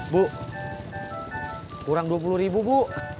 bu kurang dua puluh ribu bu